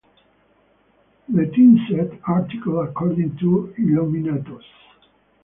The "Teenset" article, according to "Illuminatus!